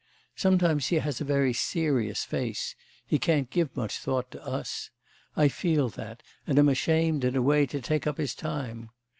Sometimes he has a very serious face. He can't give much thought to us. I feel that, and am ashamed in a way to take up his time.